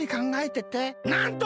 なんと！